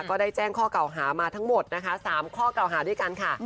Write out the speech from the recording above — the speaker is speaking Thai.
ก็ได้แจ้งข้อเก่าหามาทั้งหมดนะคะ๓ข้อเก่าหาด้วยกันค่ะ